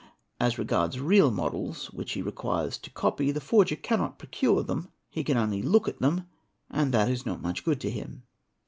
As regards real models which he requires to copy, the forger cannot procure them, he can only look at them and that is not much good to him.